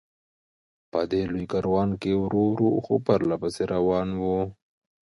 په دې لوی کاروان کې ورو ورو، خو پرله پسې روان و.